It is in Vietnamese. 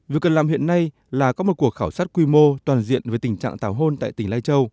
việc cần làm hiện nay là có một cuộc khảo sát quy mô toàn diện về tình trạng tảo hôn tại tỉnh lai châu